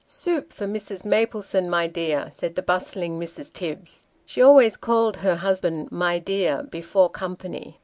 " Soup for Mrs. Maplesone, my dear," said the bustling Mrs. Tibbs. She always called her husband " my dear " before company.